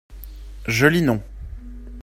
Joli nom